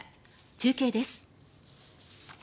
中継です。